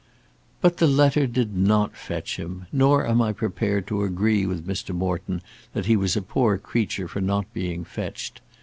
But the letter did not "fetch" him; nor am I prepared to agree with Mr. Morton that he was a poor creature for not being "fetched."